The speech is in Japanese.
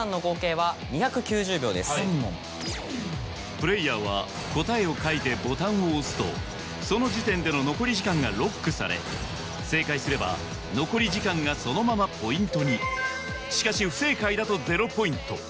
プレーヤーは答えを書いてボタンを押すとその時点での残り時間がロックされ正解すれば残り時間がそのままポイントにしかし不正解だと０ポイント